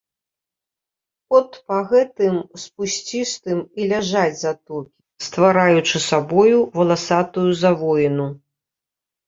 От па гэтым спусцістым і ляжаць затокі, ствараючы сабою валасатую завоіну.